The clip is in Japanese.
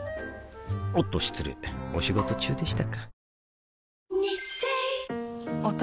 おっと失礼お仕事中でしたか